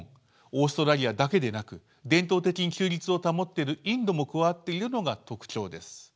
オーストラリアだけでなく伝統的に中立を保っているインドも加わっているのが特徴です。